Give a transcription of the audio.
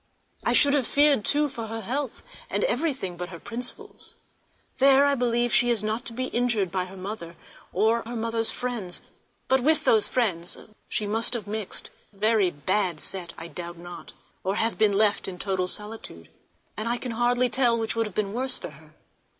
I should have feared, too, for her health, and for everything but her principles—there I believe she is not to be injured by her mother, or her mother's friends; but with those friends she must have mixed (a very bad set, I doubt not), or have been left in total solitude, and I can hardly tell which would have been worse for her.